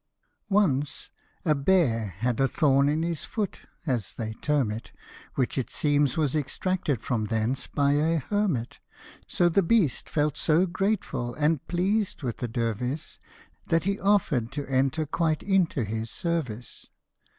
ONCE a bear had a thorn in his foot (as they term it), Which it seems was extracted from thence by a hermit : So the beast felt so grateful, and pleased with the der vise, That he offer'd to enter quite into his service.